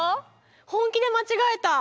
本気で間違えた。